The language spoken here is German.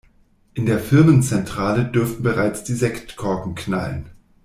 In der Firmenzentrale dürften bereits die Sektkorken knallen.